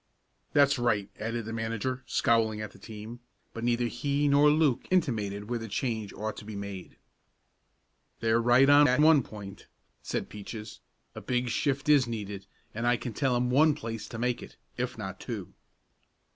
"That's right," added the manager scowling at the team, but neither he nor Luke intimated where the change ought to be made. "They're right on that one point," said Peaches, "a big shift is needed, and I can tell 'em one place to make it, if not two."